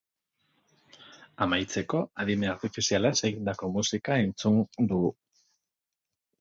Amaitzeko, adimen artifizialaz egindako musika entzun dugu.